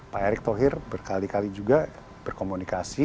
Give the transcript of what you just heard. pak erick thohir berkali kali juga berkomunikasi